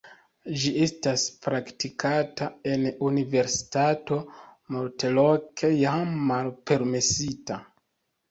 Ĝi estas praktikata en universitatoj, multloke jam malpermesita.